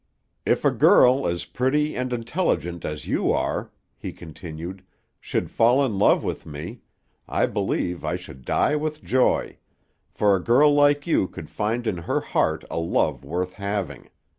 "If a girl as pretty and intelligent as you are," he continued, "should fall in love with me, I believe I should die with joy; for a girl like you could find in her heart a love worth having.